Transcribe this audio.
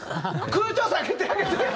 空調下げてあげて。